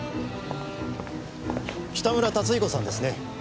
北村達彦さんですね？